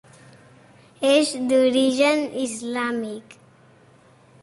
És d'origen islàmic.